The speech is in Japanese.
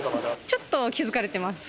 ちょっと気付かれてます。